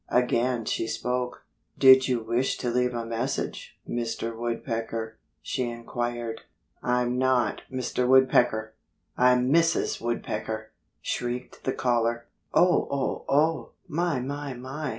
Again she spoke. "Did you wish to leave a message, Mr. Woodpecker?" she inquired. "I'm not Mr. Woodpecker! I'm Mrs. Woodpecker!" shrieked the caller. "Oh! Oh! Oh! My! My! My!"